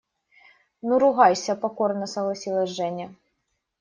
– Ну, ругайся, – покорно согласилась Женя.